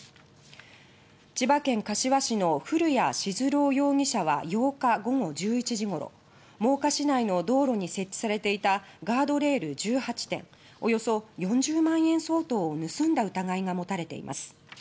千葉県柏市の古谷温朗容疑者は８日午後１１時ごろ真岡市内の道路に設置されていたガードレール１８点およそ４０万円相当を盗んだ疑いがもたれています。